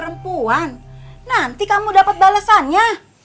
nanti kamu dapat balasannya